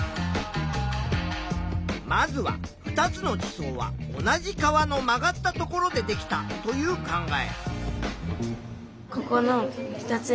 まずは２つの地層は同じ川の曲がったところでできたという考え。